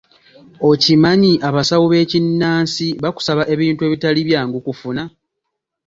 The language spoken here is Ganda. Okimanyi abasawo b'ekinnansi bakusaba ebintu ebitali byangu kufuna.